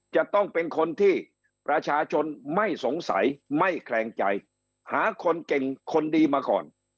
จะต้องเป็นคนที่ประชาชนไม่สงสัยไม่แคลงใจหาคนเก่งคนดีมาก่อน